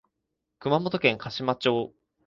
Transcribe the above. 熊本県嘉島町